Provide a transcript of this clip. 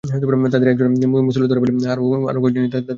তাঁদের একজনকে মুসল্লিরা ধরে ফেললে আরও কয়েকজন এসে তাঁকে ছাড়িয়ে নিয়ে যান।